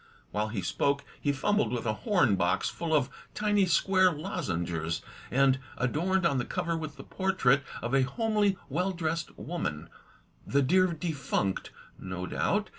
While he spoke he fumbled with a horn box full of tiny square lozengers, and adorned on the cover with the portrait of a homely well dressed woman, "the dear defunct," no doubt.